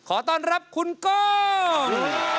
ขอต้อนรับคุณก้อน